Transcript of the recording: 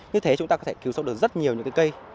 như thế chúng ta có thể cứu sống được rất nhiều cây